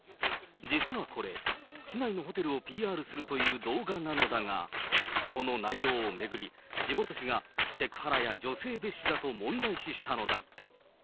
実はこれ、市内のホテルをＰＲするという動画なのだが、この内容を巡り、地元紙がセクハラや女性蔑視だと問題視したのだ。